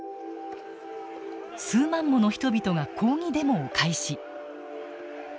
数万もの人々が抗議デモを開始。